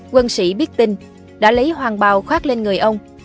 quân sĩ biết tin đã lấy hoàng bào khoát lên người ông